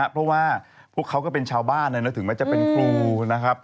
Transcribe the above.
เพราะว่าพวกเขาก็เป็นชาวบ้านถึงแม้จะเป็นครูนะครับ